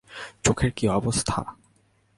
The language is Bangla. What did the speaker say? চোখের কি অবস্থা?